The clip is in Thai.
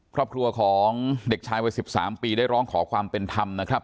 ครอบครัวของเด็กชายวัย๑๓ปีได้ร้องขอความเป็นธรรมนะครับ